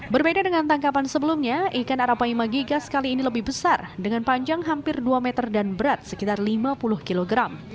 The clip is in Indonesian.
berbeda dengan tangkapan sebelumnya ikan arapaima gigas kali ini lebih besar dengan panjang hampir dua meter dan berat sekitar lima puluh kg